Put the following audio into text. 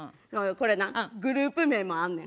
これなグループ名もあんねん。